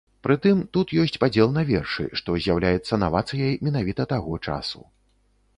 Пры тым, тут ёсць падзел на вершы, што з'яўляецца навацыяй менавіта таго часу.